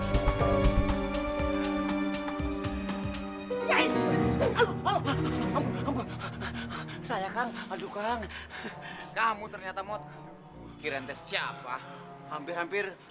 ya ampun ampun saya kan adukang kamu ternyata mod kirantes siapa hampir hampir